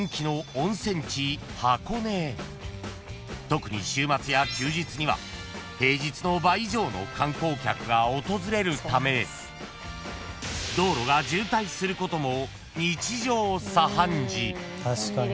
［特に週末や休日には平日の倍以上の観光客が訪れるため道路が渋滞することも日常茶飯事］